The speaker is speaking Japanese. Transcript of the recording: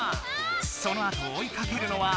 そのあとをおいかけるのはルナ！